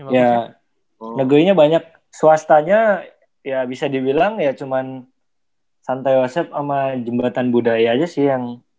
ya negerinya banyak swastanya ya bisa dibilang ya cuman santai osep sama jembatan budaya aja sih yang